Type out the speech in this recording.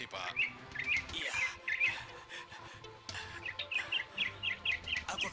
ini udah kaget